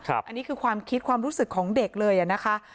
อันนี้คือความคิดความรู้สึกของเด็กเลยนะคะ